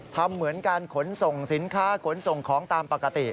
เหมือนการขนส่งสินค้าขนส่งของตามปกติ